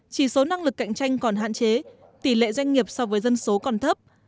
chỉ số năng lực cạnh tranh còn hạn chế tỷ lệ doanh nghiệp so với dân số còn thấp